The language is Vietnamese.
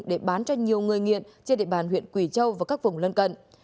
để bán cho nhiều người nghiện trên địa bàn huyện quỳ châu và các vùng lân cận